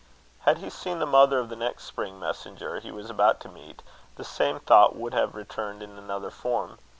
Had he seen the mother of the next spring messenger he was about to meet, the same thought would have returned in another form.